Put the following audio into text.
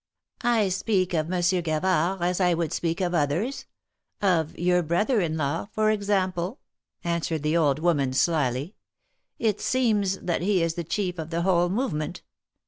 I speak of Monsieur Gavard as I would speak of others — of your brother in law, for example," answered the old woman, slyly. It seems that he is the chief of the whole movement.